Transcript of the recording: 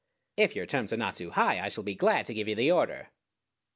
If your terms are not too high, I shall be glad to give you the order.